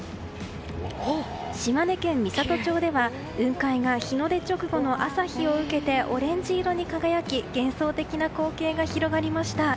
島根県美郷町では雲海が日の出直後の朝日を受けてオレンジ色に輝き幻想的な光景が広がりました。